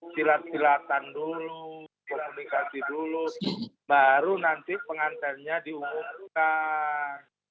silat silatan dulu komunikasi dulu baru nanti pengantinnya diumumkan